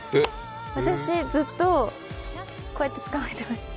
私、ずっとこうやって捕まえてました。